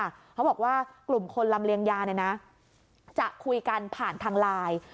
เขาบอกว่ากลุ่มคนลำเลียงยาจะคุยกันผ่านทางลาย